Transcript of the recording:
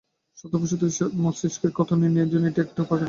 সদ্য প্রসূত শিশুদের মস্তিষ্কের ক্ষত নির্ণয়ে এটি একটি উপকারি পদ্ধতি।